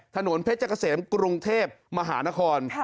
ถนนเพชรเกษมกรุงเทพมหานคร